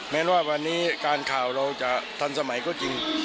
แม้ว่าวันนี้การข่าวเราจะทันสมัยก็จริง